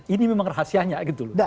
ini memang rahasianya gitu loh